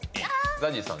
ＺＡＺＹさん